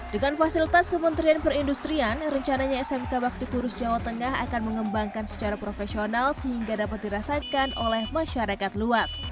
dengan fasilitas kementerian perindustrian rencananya smk bakti kurus jawa tengah akan mengembangkan secara profesional sehingga dapat dirasakan oleh masyarakat luas